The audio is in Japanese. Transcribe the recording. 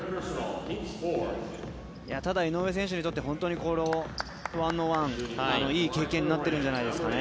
ただ、井上選手にとってこの１ｏｎ１いい経験になっているんじゃないですかね。